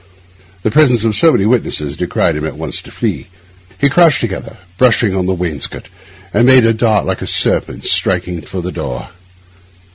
The presence of so many witnesses decided him at once to flee. He crouched together, brushing on the wainscot, and made a dart like a serpent, striking for the door.